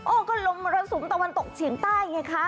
ก็ลมมรสุมตะวันตกเฉียงใต้ไงคะ